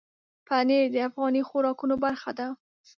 پنېر د افغاني خوراکونو برخه ده.